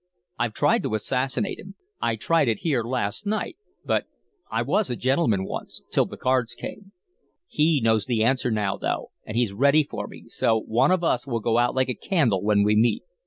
I've tried to assassinate him. I tried it here last night but I was a gentleman once till the cards came. He knows the answer now, though, and he's ready for me so one of us will go out like a candle when we meet.